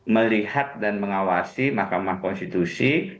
melihat dan mengawasi mahkamah konstitusi